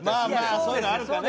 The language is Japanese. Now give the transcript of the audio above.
そういうのあるかね